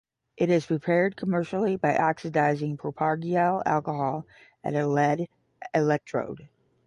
It is prepared commercially by oxidizing propargyl alcohol at a lead electrode.